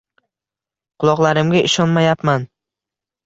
Quloqlarimga ishonmayapman